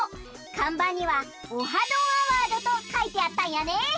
かんばんには「オハ！どんアワード」とかいてあったんやね。